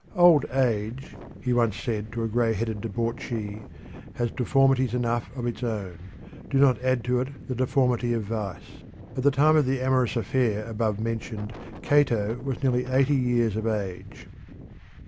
"Old age," he once said to a grey headed debauchee, "has deformities enough of its own. Do not add to it the deformity of vice." At the time of the amorous affair above mentioned Cato was nearly eighty years of age.